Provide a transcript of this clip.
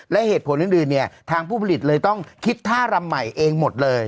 และเหตุผลอื่นเนี่ยทางผู้ผลิตเลยต้องคิดท่ารำใหม่เองหมดเลย